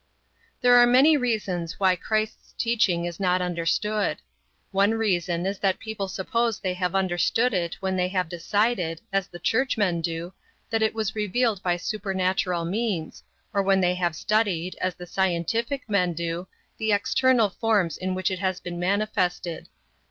There are many reasons why Christ's teaching is not understood. One reason is that people suppose they have understood it when they have decided, as the Churchmen do, that it was revealed by supernatural means, or when they have studied, as the scientific men do, the external forms in which it has been manifested.